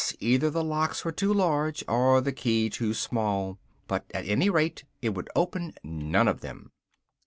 either the locks were too large, or the key too small, but at any rate it would open none of them.